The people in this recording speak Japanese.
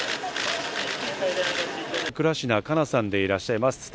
倉科カナさんでいらっしゃいます。